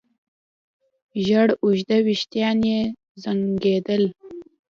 زېړ اوږده وېښتان يې زانګېدل.